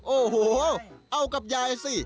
โอ้โหเอากับยายสิ